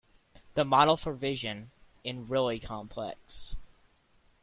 The model for vision in really complex.